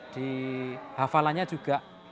di hafalannya juga